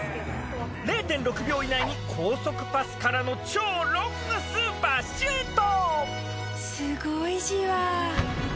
０．６秒以内に高速パスからの超ロングスーパーシュート！